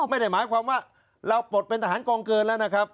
ไม่ได้หมายความว่าเราปลดเป็นทหารกองเกินแล้วนะครับ